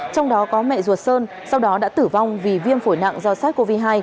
trong đó có mẹ ruột sơn sau đó đã tử vong vì viêm phổi nặng do sars cov hai